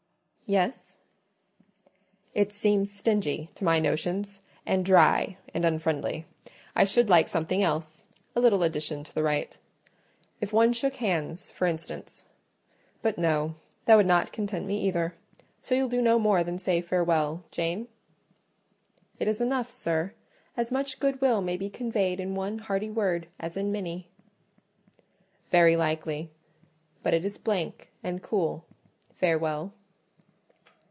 "Yes." "It seems stingy, to my notions, and dry, and unfriendly. I should like something else: a little addition to the rite. If one shook hands, for instance; but no—that would not content me either. So you'll do no more than say Farewell, Jane?" "It is enough, sir: as much good will may be conveyed in one hearty word as in many." "Very likely; but it is blank and cool—'Farewell.